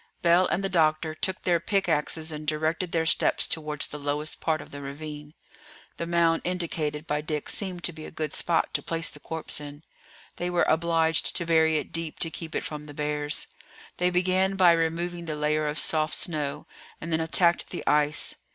Bell and the doctor took their pickaxes and directed their steps towards the lowest part of the ravine; the mound indicated by Dick seemed to be a good spot to place the corpse in; they were obliged to bury it deep to keep it from the bears. They began by removing the layer of soft snow, and then attacked the ice.